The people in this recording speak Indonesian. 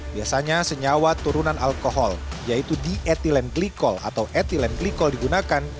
biasanya senyawa turunan alkohol yaitu dietilen glikol atau etilen glikol digunakan